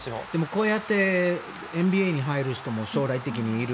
こうやってＮＢＡに入る人も将来的にいる。